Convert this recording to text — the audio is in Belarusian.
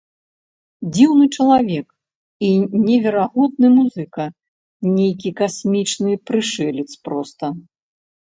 Дзіўны чалавек і неверагодны музыка, нейкі касмічны прышэлец проста!